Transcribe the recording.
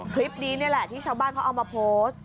คลิปนี้นี่แหละที่ชาวบ้านเขาเอามาโพสต์